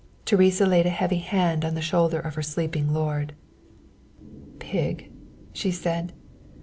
Teresa laid a heavy hand on the shoulder of her sleeping lord. "Pig," she said.